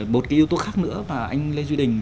một cái yếu tố khác nữa mà anh lê duy đình